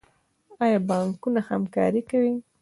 آیا بانکونه همکاري کوي؟